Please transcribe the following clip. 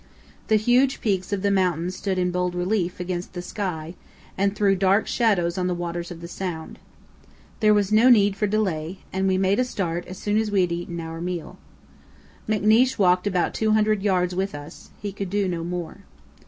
The huge peaks of the mountains stood in bold relief against the sky and threw dark shadows on the waters of the sound. There was no need for delay, and we made a start as soon as we had eaten our meal. McNeish walked about 200 yds with us; he could do no more.